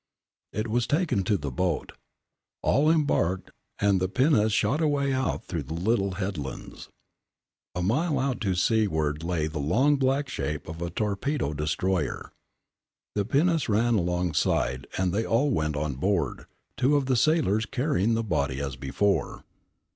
It was taken to the boat. All embarked, and the pinnace shot away out through the little headlands. A mile out to seaward lay the long black shape of a torpedo destroyer. The pinnace ran alongside and they all went on board, two of the sailors carrying the body as before.